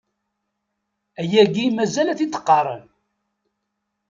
Ayagi mazal a t-id-qqaren.